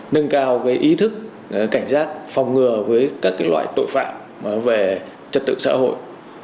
nâng cao ý thức cảnh giác phòng ngừa với các loại tội phạm về trật tự xã hội